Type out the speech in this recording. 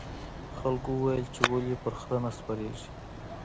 خلکو وویل چې ولې په خره نه سپریږې.